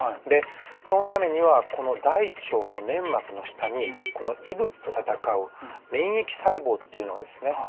でそのためにはこの大腸の粘膜の下にこの異物と戦う免疫細胞っていうのがですね